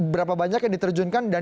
berapa banyak yang diterjunkan dan